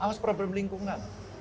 awas problem lingkungan